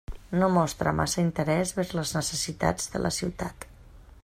No mostra massa interès vers les necessitats de la ciutat.